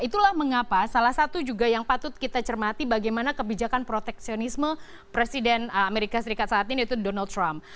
itulah mengapa salah satu juga yang patut kita cermati bagaimana kebijakan proteksionisme presiden amerika serikat saat ini yaitu donald trump